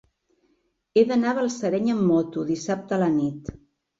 He d'anar a Balsareny amb moto dissabte a la nit.